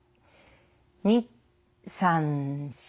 ２３４。